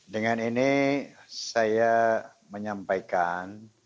dengan ini saya menyampaikan